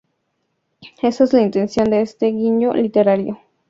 Esa es la intención de este guiño literario.